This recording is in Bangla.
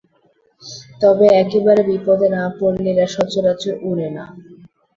তবে একেবারে বিপদে না পড়লে এরা সচরাচর ওড়ে না।